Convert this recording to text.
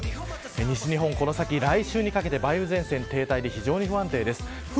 西日本はこの先、来週にかけて梅雨前線が停滞で非常に不安定です。